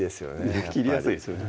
やっぱり切りやすいですよね